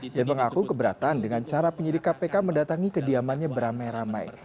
dia mengaku keberatan dengan cara penyidik kpk mendatangi kediamannya beramai ramai